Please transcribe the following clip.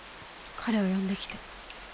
彼を呼んできて。